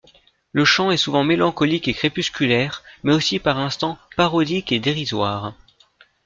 Le chant est souvent mélancolique et crépusculaire mais aussi par instants parodique et dérisoire.